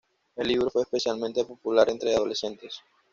El libro fue especialmente popular entre adolescentes.